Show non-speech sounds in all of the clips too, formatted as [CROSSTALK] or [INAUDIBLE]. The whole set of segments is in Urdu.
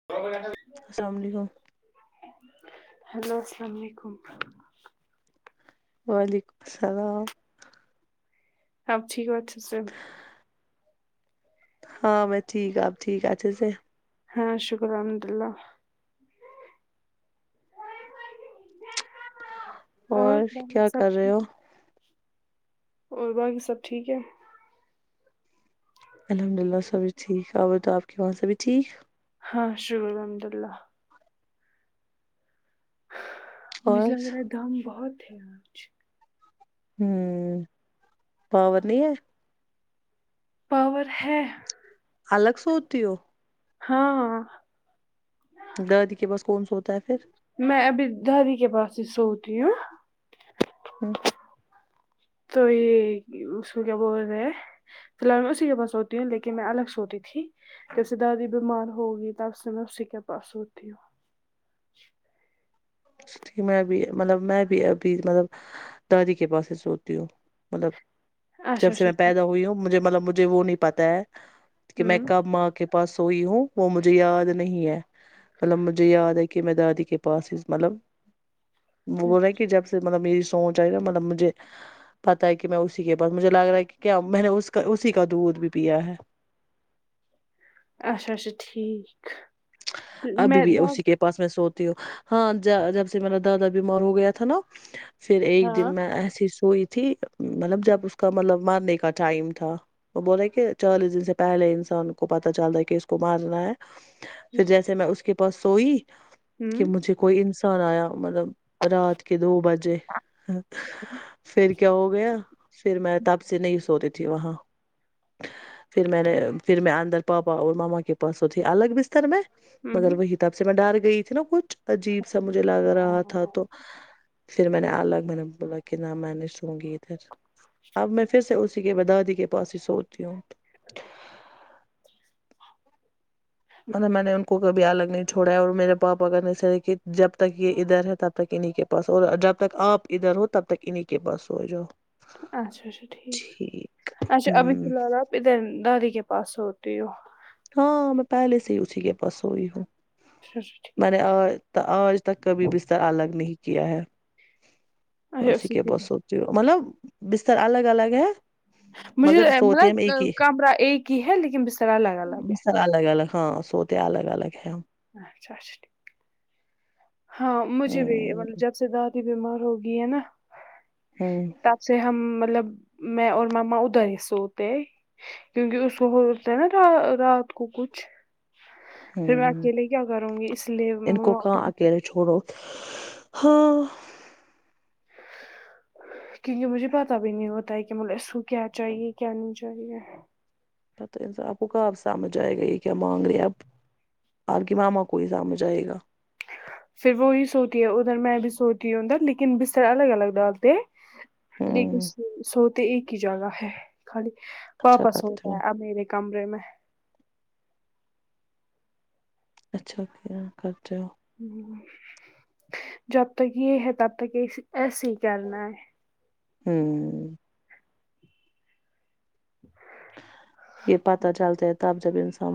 [UNINTELLIGIBLE] السلام علیکم ہیلو السلام علیکم وعلیکم السلام آپ ٹھیک ہو اچھے سے ہاں میں ٹھیک آپ ٹھیک ہے اچھے سے ہاں شکر الحمد اللہ اور باقی کیا سب کر رہے ہو ٹھیک اور باکی سب ٹھیک ہے الحمد للہ سبھی ٹھیک اور بتاؤ آپ کے وہاں سب بھی ٹھیک ہاں شکر الحمد اللہ اور مجھے لگ رہا ہے دم بہت ہے آج ہمم پاور نہیں ہے پاور ہے الگ سوتی ہو ہاں ہاں دادی کے پاس کون ہوتا ہے فیر میں ابھی دادی کے پاس ہی سوتی ہوں ہمم تو یے اس میں کیا بول رہے ہیں فی الحال میں اسی کے پاس سوتی ہوں لیکن میں الگ سوتی تھی جب سے دادی بیمار ہوگی تب سے میں اسی کے پاس سوتی ہوں میں بھی مطلب میں بھی ابھی مطلب دادی کے پاس ہی سوتی ہوں مطلب ہوں اچھا جب سے اچھا میں ٹھیک پیدا ہوئی ہوں مجھے مطلب مجھے وہ نہیں پتہ ہے کی میں ہوں کب ماں کے پاس سوئی ہوں وہ مجھے یاد نہیں ہے مطلب مجھے یاد ہے کے میں دادی کے پاس ہی مطلب بول رہا ہے ہیں کی جب سے مطلب میری سوچ آئی ہے مطلب مجھے پتا ہے کی میں اسی کے پاس مجھے لگ رہا ہے کی کیا میں نے اس کا اسی کا دودھ بھی پیا ہے اچھا اچھا ٹھیک ابھی میں بھی دا اسی کے پاس میں سوتی ہوں ہاں جا جب سے مطلب دادا بیمار ہو گیا تھا نا فیر ایک ہاں دن میں ایسی سوئی تھی مطلب جب اس کا مطلب مارنے کا ٹائم تھا وہ بول رہے کہ چالیس دن سے پہلے انسان کو پتا چل رہا ہے کی اس کو مارنا ہے فیر جیسے میں اس کے پاس سوئی کی ہوں مجھے کوئی انسان آیا مطلب رات کے دو بجے فیر کیا ہو گیا فیر میں تب سے نہیں سوری تھی وہاں فیر میں نے فیر میں اندر پاپا اور ماما کے پاس سوتی تھی الگ بستر میں مگر ہوں وہی تب سے میں ڈر گئی تھی نا کچھ عجیب سا مجھے لگ رہا تھا ہاں تو فیر میں نے الگ میں نے بولا کہ نہ میں نہیں سوں گی اب میں فیر سے اسی کے با دادی کے پاس ہی سوتی ہوں [INAUDIBLE] میں نے ان کو کبھی الگ نہیں چھوڑا ہے اور میرے پاپا کن ایسا ہے کی جب تک یے ادھر ہے تب تک انی کہ پاس اور جب تک آپ ادھر ہو تب تک انی کے پاس سو جاؤ اچھا جی ٹھیک ہےاچھا ابھی ہوں فل حال آپ ادھر دادی کے پاس سوتی ہو ہاں میں پہلے سے ہی اسی کے پاس سوئی ہوں اچھا اچھا ٹھیک میں نے آج آج تا آج تک کبھی بستر الگ نہیں کیا ہے میں اسی کے پاس سوتی ہو مطلب بستر الگ الگ ہے مجھے مگر ما سوتے ہم ایک مطلب ہی کمرہ ایک ہی ہے لیکن بسترا الگ الگ ہے بستر الگ الگ ہاں سوتے الگ الگ ہے ہم اچھا اچھا ہاں مجھے بھی ہوں مطلب جب بیمار ہوگئی ہے نا ہوں تب سے ہمم مطلب میں اور ماما ادھر ہی سوتے ہیں کیونکہ اس کو ہوتا ہے نا را رات کو کچھ ہوں کے لیے کیا کروں گی اس لیے ان کو کہاں اکیلے چھوڑو ہاں کیونکہ مجھے پتا بھی نہیں ہوتا ہے کہ اس کو کیا چاہیے کیا نہیں چاہیے آپ کو کیا سمجھ آئے گا یہ کیا مانگ رہے ہے اب آپ کی ماما کو ہی سمجھ آئے گا پھر وہی سوتی ادھر میں بھی سوتی ادھر لیکن بستر الگ الگ ڈالتے ہیں لیکن ہوں سو سوتے ایک ہی جگہ ہے خالی اچھا پاپا سوتا کرتے ہو ہے اب میرے کمرے میں اچھا [UNINTELLIGIBLE] ہوں جب تک یہ ہے تب تک ایسے ہی کرنا ہے ہوں [INAUDIBLE] یہ پتہ چلتا [UNINTELLIGIBLE] تب جب انسان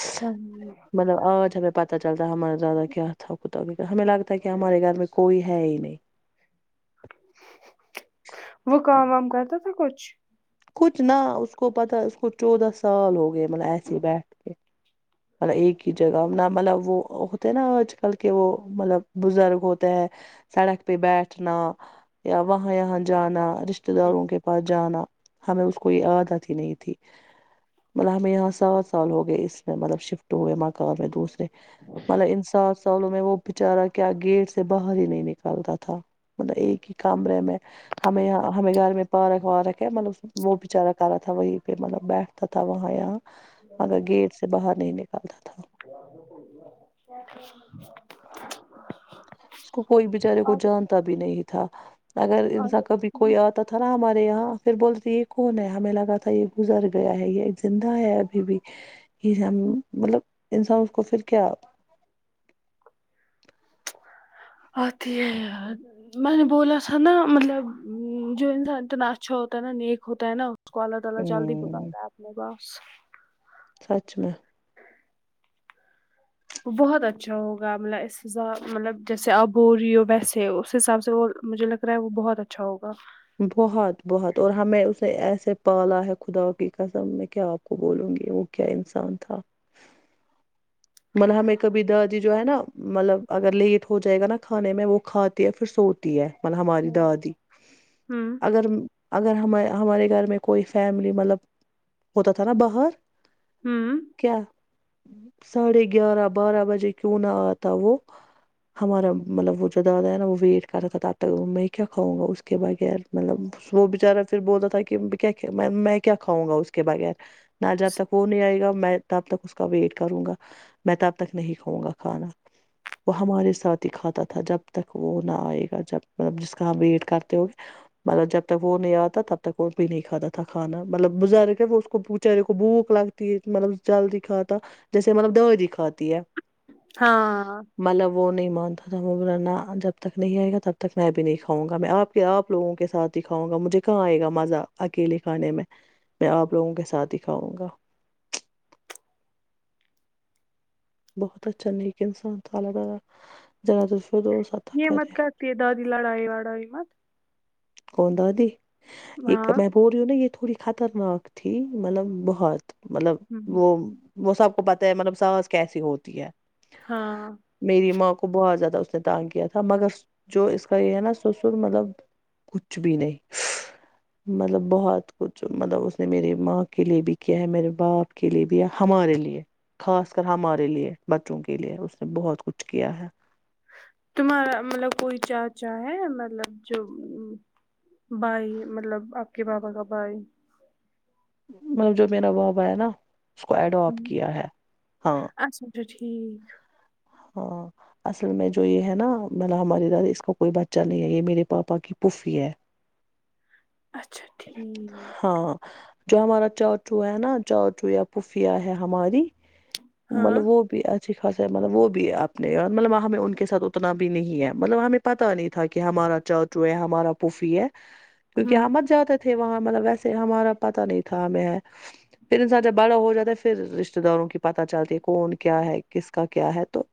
[UNINTELLIGIBLE] مطلب آج ہمیں پتا چل رہتا ہے ہمارا دادا کیا تھا کتا ہمیں لگتا ہے کہ ہمارے گھر میں کوئی ہے ہی نہیں وہ کام وام کرتا تھا کچھ کچھ نہ اس کو پتا اس کو چودہ سال ہو گئے مطلب ایسے بیٹھ کے مطلب ایک ہی جگہ نہ مطلب وہ ہوتے نا آج کل کے وہ مطلب بزرگ ہوتے ہیں سڑک پہ بیٹھنا یا وہاں یہاں جانا رشتے ہوں داروں کے پاس جانا ہمیں اس کو یہ عادت ہی نہیں تھی مطلب ہمیں یہاں سات سال ہو گئے اس میں مطلب شفٹ ہوئے مکان میں دوسرے مطلب ان سات سالوں میں وہ بچارہ کیا گیٹ سے باہر ہی نہیں نکالتا تھا مطلب ایک ہی کمرے میں ہمیں ہمیں گھر میں پارک وارک ہے مطلب وہ بچارہ کار تھا وہیں پہ مطلب بیٹھتا تھا وہاں یہاں مگر گیٹ سے باہر نہیں نکلتا تھا [UNINTELLIGIBLE] اس کو کوئی بچارے کو جانتا بھی نہیں تھا اگر انسان کبھی آ کوئی آتا تھا نا ہمارے یہاں پھر بولتی یہ کون ہے ہمیں لگا تھا یہ گزر گیا ہے یہ زندہ ہے اب بھی از حم مطلب انسان اس کو پھر کیا آتی ہے یاد میں نے بولا تھا نا مطلب جو انسان اتنا اچھا ہوتا ہے نا نیک ہوتا ہے نا اس کو اللہ تعالی جلد ہی ہ بلاتا ہے اپنے پاس سچ میں بہت اچھا ہوگا مطلب اس حساب مطلب جیسے اب ہو رہی ہو ویسے اس حساب سے وہ مجھے لگتا وہ بہت اچھا ہوگا بہت بہت اور ہمیں اس نے ایسے پالا ہے خدا کی قسم میں کیا آپ کو بولوں گی کیا انسان تھا مطلب ہمیں کبھی دادی جو ہے نا مطلب اگر لیٹ ہو جائے گا نا کھانے میں وہ کھاتی ہے پھر سو تی ہے مطلب ہماری ہاں دادی ہوں اگر اگر ہمیں ہمارے گھر میں کوئی فیملی مطلب ہوتا تھا نا باہر ہمم کیا ساڑھے گیارہ بارہ بجے کیوں نہ آتا وہ ہمارا مطلب وہ جو دادا ہے نا وہ ویٹ کر رہتا تھا تک میں کیا کھاؤں گا اس کے بغیر مطلب وہ بیچارہ پھر بولتا تھا کہ کیا میں کیا کھاؤں گا اس کے بغیر نہ جب تک وہ نہیں آئے گا میں تب تک اس کا ویٹ کروں گا میں تب تک نہیں کھاؤں گا کھانا وہ ہمارے ساتھ ہی کھاتا تھا جب تک وہ نہ آئے گا جب تک جس کا ہم ویٹ کرتے ہوئے مطلب جب تک وہ نہیں آتا تب تک وہ بھی نہیں کھاتا تھا کھانا مطلب بزرگے کو بیچارے کو بھوک لگ مطلب جلد ہی کھاتا جیسے مطلب دادی کھاتی ہے ہاں مطلا وہ نہیں مانتا تھا وہ بولا نہ جب تک نہیں آئے گا تب تک میں بھی نہیں کھاوں گا میں آپ کے آپ لوگوں کے ساتھ ہی کھاؤں گا مجھے کہاں آئے گا مزہ اکیلے کھانے میں آپ لوگوں کے ساتھ ہی کھاؤں گا بہت اچھا نیک انسان تھا اللہ تعالی جنت ال فردوس عطا کرے کہ دادی لڑائی وڑائی مت کون دادی ہاں ایک میں بول رہی ہوں نا یہ تھوڑی خطرناک تھی مطلب بہت مطلب ہوں وہ وہ سب کو پتا ہے مطلب ساس کیسی ہوتی ہے ہاں میری ماں کو بہت زیادہ اس نے تنگ کیا تھا مگر جو اس کا یہ ہے نا سسر مطلب کچھ بھی نہیں مطلب بہت کچھ مطلب اس نے میری ماں کے لیے بھی کیا ہے میرے باپ کے لیے بھی ہے ہمارے لیے خاص کر ہمارے لیے بچوں کے لیے اس نے بہت کچھ کیا ہے تمہارا مطلب کوئی چاچا ہے مطلب جو بھائی مطلب آپ کے بابا کا بھائی مطلب جو میرا بابا ہے نا اس کو ایڈپٹ کیا ہے ہاں [UNINTELLIGIBLE] اچھا ٹھیک ہاں اصل میں جو یہ ہے نا مطلب ہماری دادی اس کا کوئی بچہ نہیں ہے یہ میرے پاپا کی پھوپھی ہے اچھا ٹھیک ہاں جو ہمارا چاچو ہے نا چاچو یا پھوپھیاں ہے ہماری ہاں مطلب وہ بھی اچھی خاصا ہے مطلب وہ بھی بھی آپ نے مطلب وہاں بھی ان کے ساتھ اتنا بھی نہیں ہے مطلب ہمیں پتا نہیں تھا کہ ہمارا چاچو ہے ہمارا پوفی ہے کیونکہ ہوں ہم مت جا تھے وہاں مطلب ویسے ہمارا پتا نہیں تھا ہمیں پھر انسان جب بڑا ہو جاتا ہے پھر رشتے داروں کی پتہ چلتی ہے کون کیا ہے کس کا کیا ہے تو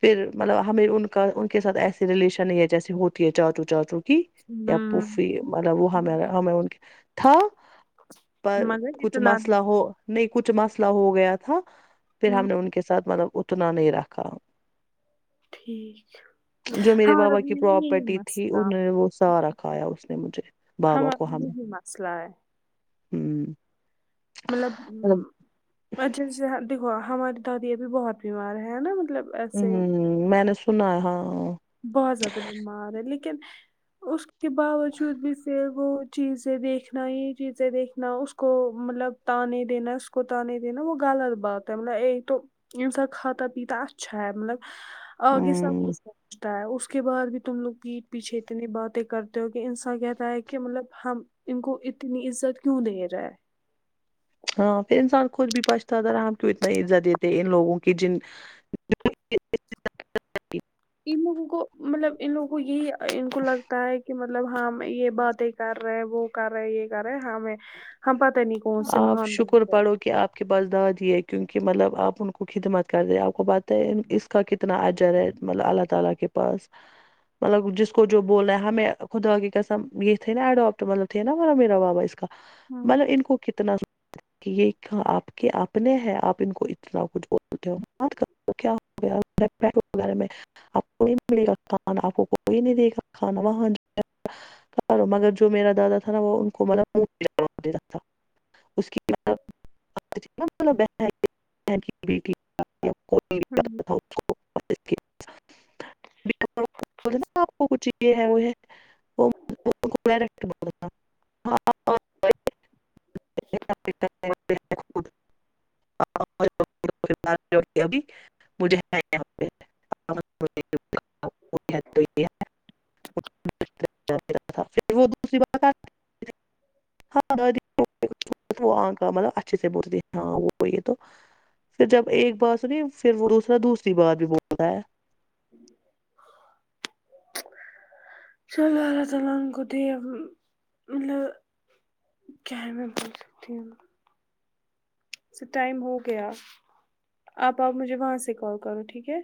پھر مطلب ہمیں ان کا ان کے ساتھ ایسی ریلیشن نہیں ہے جیسے ہوتی ہے چاچو چاچو کی یہ ہوں پھوفی مطلب وہ ہم ہم ان کا تھا پر مگر کچھ اتنا مثلا ہو نہیں کچھ مثلا ہو گیا تھا پھر ہم ہوں نے ان کے ساتھ مطلب اتنا نہیں رکھا ٹھیک جو میرے ہمارا بابا بھی کی یہی پراپرٹی تھی مسئلہ انہوں نے وہ سارا کھایا اس نے مجھے بابا ہمارا یہی مثلا ہے ھم مطلب جہاں دیکھو ہماری دادی ابھی بہت بیمار ہیں نا مطلب ہوں ایسے میں نے سنا ہاں بہت زیادہ بیمار ہے لیکن اس کے باوجود بھی فر وہ چیزیں دیکھنا یہ چیزیں دیکھنا اس کو مطلب تانے دینا اس وہ تانے دینا وہ غلط بات ہے مطلب ایک تو انسان کھاتا پیتا اچھا ہے مطلب اورگی سب ہمم کیسا ہے [UNINTELLIGIBLE] تا ہے اس کے بعد بھی تم لوگ پیٹھ پیچھے اتنی باتیں کرتے ہو کہ انسان کہتا ہے کہ مطلب ہم ان کو اتنی عزت کیوں دے رہا ہے ہاں پھر انسان خود بھی پچتاتا رہا ہم کیوں اتنی عزت دیتے ان لوگوں کی جن ان لوگوں کو مطلب ان لوگوں کو یہی ان کو لگتا ہے کہ مطلب ہم یہ باتیں کر رہے وہ کر رہے یہ کر رہے ہمیں ہم پتہ نہیں کون سے آپ مہان بن شکر گئے پڑھو کہ آپ کے پاس دادی ہے کیونکہ مطلب آپ ان کو خدمت کرے آپ کو پتا ہے اس کا کتنا اجر ہے مطلب اللہ تعالی کے پاس مطلب جس کو جو بولنا ہے ہمیں خدا کی قسم یہ تھے نا اڈاپٹ مطلب تھے نا ورا میرا وابا اس کا مطلب ان کو کتنا یہ آپ کے اپنے ہے آپ ان کو اتنا کچھ بولتے ہو [UNINTELLIGIBLE] [UNINTELLIGIBLE] و مگر جو میرا دادا تھا نا وہ ان کو مطلب [UNINTELLIGIBLE] [UNINTELLIGIBLE] [UNINTELLIGIBLE] [UNINTELLIGIBLE] ہوں یہ ہے وہ ہے [UNINTELLIGIBLE] ہاں [UNINTELLIGIBLE] [UNINTELLIGIBLE] [UNINTELLIGIBLE] [UNINTELLIGIBLE] وہ [UNINTELLIGIBLE] مطلب اچھے سے بول ہاں وہ یہ تو پھر جب ایک بار سنی پر وہ دوسرا دوسری بار بھی بولتا ہے چلو اللہ تعالی کو دے اب کیا میں بول سکتی ہوں ٹائم ہو گیا اب آپ مجھے وہاں سے کال کرو ٹھیک ہے